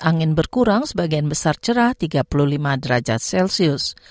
angin berkurang sebagian besar cerah tiga puluh lima derajat celcius